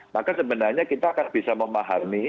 maka sebenarnya kita akan bisa memahami